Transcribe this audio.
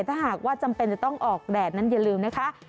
ถ้าหากว่าจำเป็นจะต้องออกแดดนั้นอย่าลืมนะคะ